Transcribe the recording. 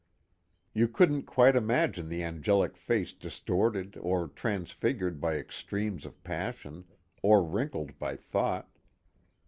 You couldn't quite imagine the angelic face distorted or transfigured by extremes of passion, or wrinkled by thought.